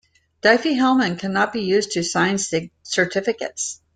Diffie-Hellman cannot be used to sign certificates.